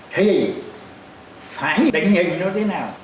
thì phải định nhìn nó thế nào